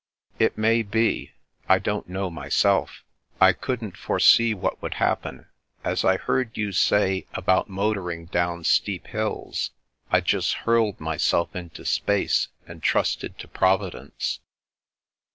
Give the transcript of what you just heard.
" It may be. I don't know, myself. I couldn't 368 The Princess Passes foresee what would happen. As I heard you say, about motoring down steep hills, I just hurled my self into space, and trusted to Providence."